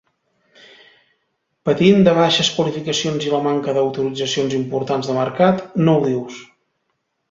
Patint de baixes qualificacions i la manca d'autoritzacions importants de mercat, no ho dius!